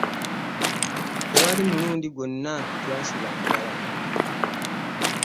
Tewali mulundi gwonna lwe twasula njala.